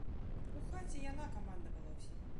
У хаце яна камандавала ўсім.